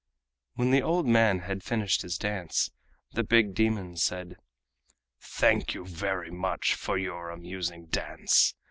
When the old man had finished his dance, the big demon said: "Thank you very much for your amusing dance.